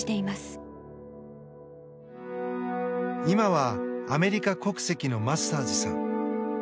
今はアメリカ国籍のマスターズさん。